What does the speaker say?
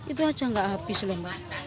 itu aja nggak habis lomba